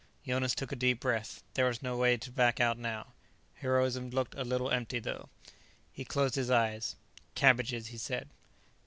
Jonas took a deep breath; there was no way to back out now. Heroism looked a little empty, though. He closed his eyes. "Cabbages," he said.